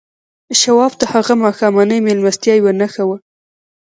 شواب ته هغه ماښامنۍ مېلمستیا یوه نښه وه